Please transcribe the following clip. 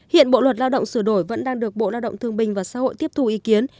hiện bộ luật lao động sửa đổi vẫn đang được bộ lao động thương bình và xã hội tiếp thu ý kiến